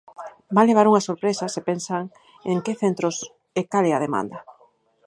Van levar unha sorpresa se pensan en que centros e cal é a demanda.